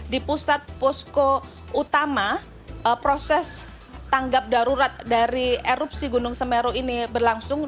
di pusat posko utama proses tanggap darurat dari erupsi gunung semeru ini berlangsung